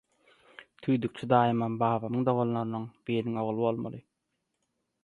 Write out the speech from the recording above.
Tüýdükçi daýymam babamyň doganlarynyň biriniň ogly bolmaly.